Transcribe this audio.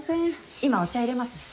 今お茶入れますね。